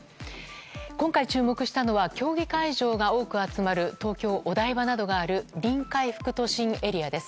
今回、注目したのは競技会場が多く集まる東京・お台場などがある臨海副都心エリアです。